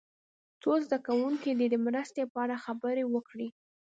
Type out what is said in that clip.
څو زده کوونکي دې د مرستې په اړه خبرې وکړي.